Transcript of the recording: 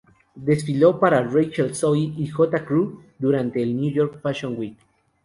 Desfiló para Rachel Zoe y J. Crew durante la New York Fashion Week.